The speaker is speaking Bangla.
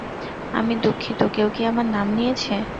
আমি দুঃখিত, কেউ কি আমার নাম নিয়েছে?